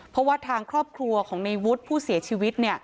เพราะว่าทางครอบครัวของในวุฒิผู้เสียชีวิต